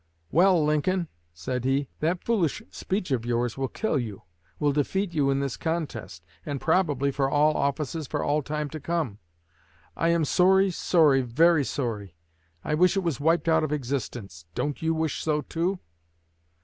"Well, Lincoln," said he, "that foolish speech of yours will kill you will defeat you in this contest, and probably for all offices for all time to come. I am sorry, sorry, very sorry. I wish it was wiped out of existence. Don't you wish so too?"